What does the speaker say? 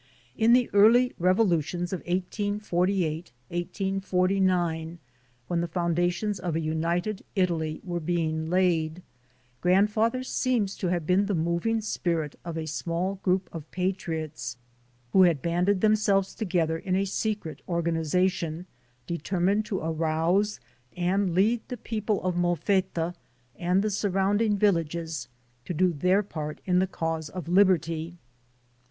In the early revolutions of 1848 184)9, when the foun dations of a United Italy were being laid, grand father seems to have been the moving spirit of a 10 THE SOUL OF AN IMMIGRANT small group of patriots, who had banded themselves together in a secret organization, determined to arouse and lead the people of Molfetta and the sur rounding villages to do their part in the cause of liberty.